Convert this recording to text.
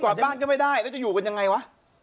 บ้านก็ไม่ได้แล้วจะอยู่กันยังไงวะ